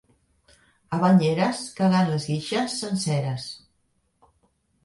A Banyeres caguen les guixes senceres.